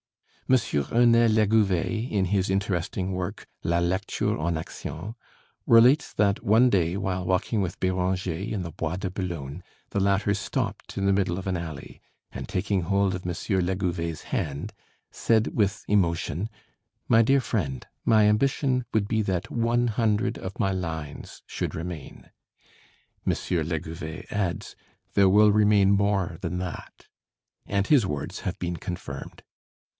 M. Ernest Legouvé in his interesting work, 'La Lecture en Action,' relates that one day, while walking with Béranger in the Bois de Boulogne, the latter stopped in the middle of an alley, and taking hold of M. Legouvé's hand, said with emotion, "My dear friend, my ambition would be that one hundred of my lines should remain." M. Legouvé adds, "There will remain more than that," and his words have been confirmed.